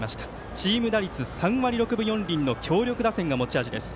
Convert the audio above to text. チーム打率３割６分４厘という強力打線が持ち味です。